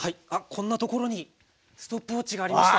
こんなところにストップウォッチがありました。